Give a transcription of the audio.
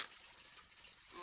suami belum punya